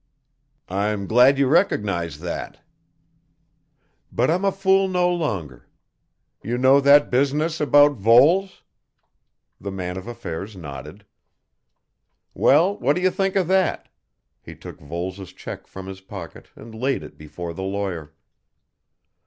"I'm glad you recognise that." "But I'm a fool no longer. You know that business about Voles?" The man of affairs nodded. "Well, what do you think of that?" He took Voles' cheque from his pocket and laid it before the lawyer.